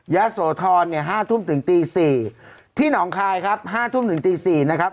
ยะโสธรเนี่ย๕ทุ่มถึงตี๔ที่หนองคายครับ๕ทุ่มถึงตี๔นะครับ